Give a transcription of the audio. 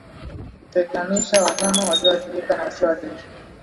Kutenganisha wanyama walioathirika na wasioathirika